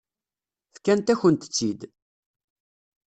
Fkant-akent-tt-id.